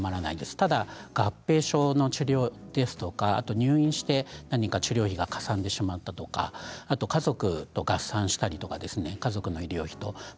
ただ合併症の治療とか、入院してなにか治療費がかさんでしまったとかあと家族と合算したりとか家族の医療費ですね。